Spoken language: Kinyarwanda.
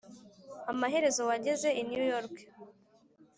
amaherezo wageze i new york